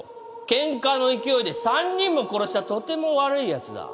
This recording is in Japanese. ケンカの勢いで３人も殺したとても悪いやつだ